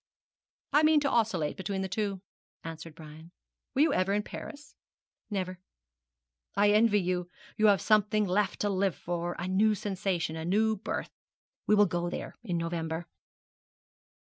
'I mean to oscillate between the two,' answered Brian. 'Were you ever in Paris?' 'Never.' 'I envy you. You have something left to live for a new sensation a new birth. We will go there in November.'